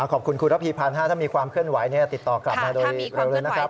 ขอบคุณคุณระพีพันธ์ถ้ามีความเคลื่อนไหวติดต่อกลับมาโดยเร็วเลยนะครับ